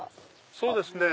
そうですね。